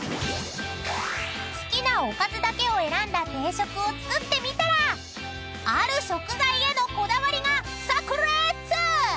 ［好きなおかずだけを選んだ定食を作ってみたらある食材へのこだわりが炸裂！］